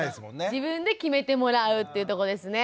自分で決めてもらうっていうとこですね。